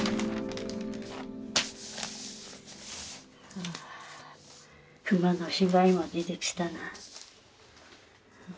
あ熊の被害も出てきたな。